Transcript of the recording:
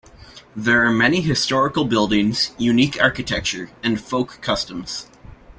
There are many historical buildings, unique architecture and folk customs.